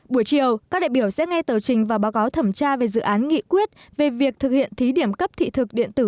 buổi chiều các đại biểu sẽ nghe tờ trình và báo cáo thẩm tra về dự án nghị quyết về việc thực hiện thí điểm cấp thị thực điện tử